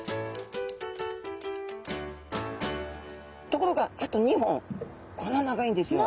ところがあと２本こんな長いんですよ。